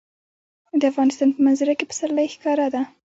د افغانستان په منظره کې پسرلی ښکاره ده.